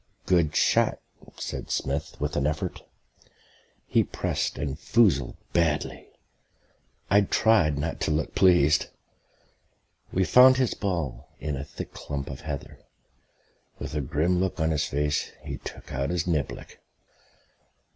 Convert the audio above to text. "Good shot," said Smith with an effort. He pressed and foozled badly. I tried not to look pleased. We found his ball in a thick clump of heather. With a grim look on his face, he took out his niblick....